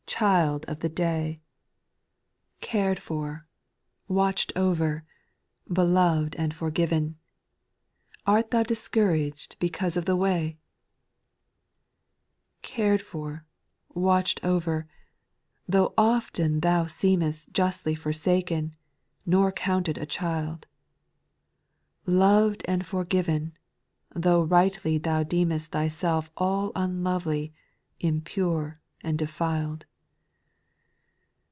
child of the day I Cared for, watch'd over, beloved and forgiven, Art thou discouraged because of the ^a.^ \ 212 SPIRITUAL SONGS, 2. Cared for^ watcKd over, tho' often thou seemest Justly forsaken, nor counted a child — Loved and forgwen, tho' rightly thou deemest Thyself all unlovely, impure, and defiled.